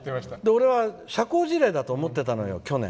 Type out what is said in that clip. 俺は社交辞令だと思ってたのよ去年。